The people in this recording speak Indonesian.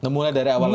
mulai dari awal lagi